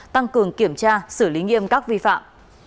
tăng cường kiểm tra xử lý nghiêm các vi phạm